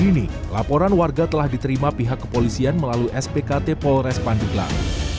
hari ini laporan warga telah diterima pihak kepolisian melalui spkt polres pandeglang